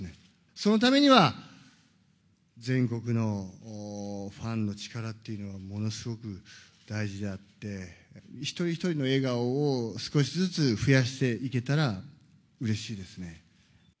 そのためには、全国のファンの力っていうのは、ものすごく大事であって、一人一人の笑顔を、少しずつ増やしていけたらうれしいですね。